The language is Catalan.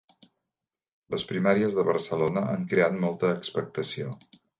Les primàries de Barcelona han creat molta expectació